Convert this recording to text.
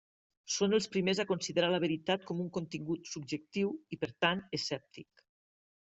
Són els primers a considerar la veritat com un contingut subjectiu i, per tant, escèptic.